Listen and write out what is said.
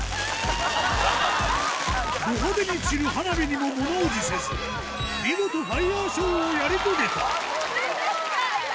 ど派手に散る花火にもものおじせず、見事ファイアショーをやり遂げた。